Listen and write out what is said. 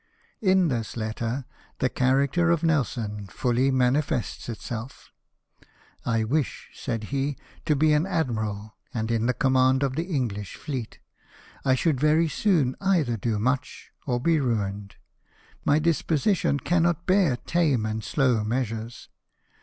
In this letter the character of Nelson fully manifests itself, " I wish/' said he, " to be an admiral, and in the command of the English fleet ; I should very soon either do much, or be ruined : my disposition cannot bear tame and slow measures.